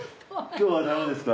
今日はだめですか？